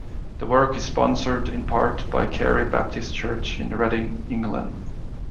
The work is sponsored, in part, by the Carey Baptist Church in Reading, England.